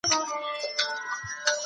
څېړنه باید د ټولني اړتیاوې پوره کړي.